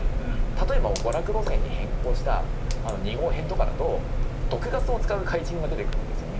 例えば娯楽路線に変更した２号編とかだと毒ガスを使う怪人が出てくるんですよね。